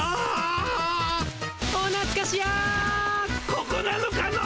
ここなのかの？